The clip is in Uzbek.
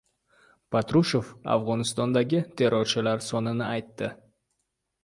Patrushev Afg‘onistondagi terrorchilar sonini aytdi